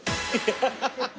ハハハハ！